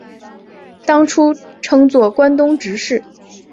当初称作关东执事。